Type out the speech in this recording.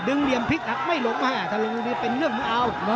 ดึงเหลี่ยมพลิกหักไม่หลบมาถ้าเหลี่ยมพลิกหักเป็นเรื่องอะไร